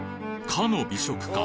かの美食家